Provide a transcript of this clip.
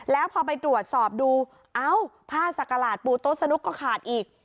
แล้วพอไปตรวจสอบดูเอ้าผ้าสักกระหลาดปูโต๊ะสนุกก็ขาดอีก